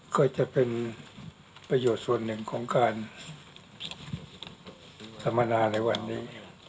ก็จะเป็นประโยชน์ส่วนหนึ่งของการสัมมนาในวันนี้